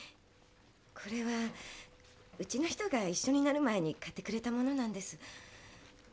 これはうちの人が一緒になる前に買ってくれたものなんです。